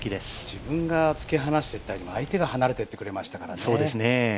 自分が突き放したっていうより、相手が離れていってくれましたからね。